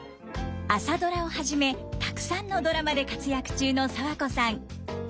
「朝ドラ」をはじめたくさんのドラマで活躍中の爽子さん。